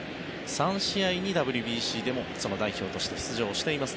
３試合にＷＢＣでも代表として出場をしています